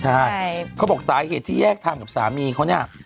ใช่เขาบอกสาเหตุที่แยกทางกับสามีเขาเนี่ย